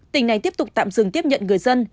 tỉnh này tiếp tục tạm dừng tiếp nhận người dân